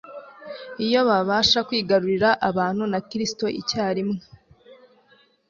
Iyo babasha kwigarurira abantu na Kristo icyarimwe,